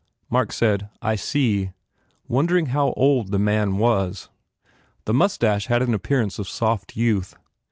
Mark said, "I see," wondering how old the man was. The moustache had an appearance of soft youth.